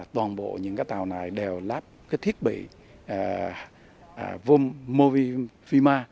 toàn bộ những tàu này đều lắp thiết bị mô vi phima